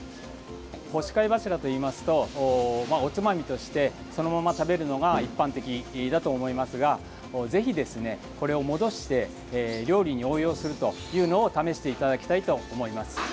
干し貝柱といいますとおつまみとしてそのまま食べるのが一般的だと思いますがぜひですね、これを戻して料理に応用するというのを試していただきたいと思います。